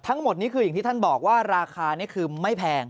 ทั้งหมดนี้คืออย่างที่ท่านบอกว่าราคานี่คือไม่แพง